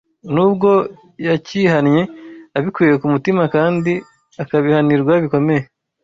nubwo yacyihannye abikuye ku mutima kandi akagihanirwa bikomeye